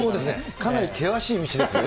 かなり険しい道ですね。